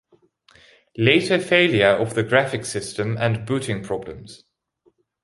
Later failure of the graphics system and booting problems.